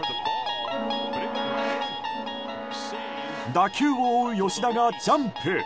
打球を追う吉田がジャンプ。